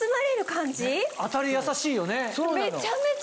当たりやさしいよね。